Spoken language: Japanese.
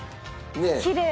きれい。